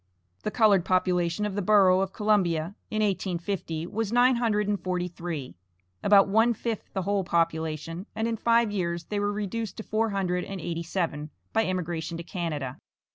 The colored population of the Borough of Columbia, in 1850, was nine hundred and forty three, about one fifth the whole population, and in five years they were reduced to four hundred and eighty seven by emigration to Canada.